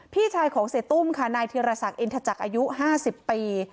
พี่ชายของเสตุ้มค่ะนายธีรศักดิ์เอ็นทะจักรอายุห้าสิบปี